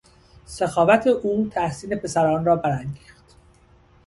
سخاوت او تحسین پسران را برانگیخت.